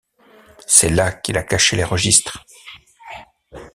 C’est là qu’il a caché les registres!